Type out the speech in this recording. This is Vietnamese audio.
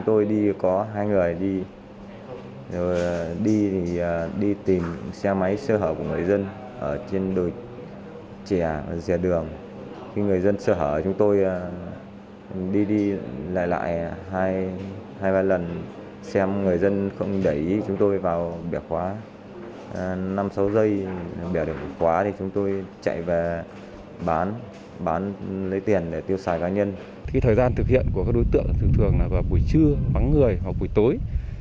trong thời gian thực hiện của các đối tượng thường thường là buổi trưa bắn người hoặc buổi tối